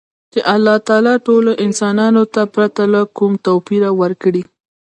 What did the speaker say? چـې اللـه تعـالا ټـولـو انسـانـانـو تـه ،پـرتـه لـه کـوم تـوپـيره ورکـړى.